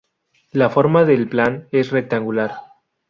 La forma del plan es rectangular.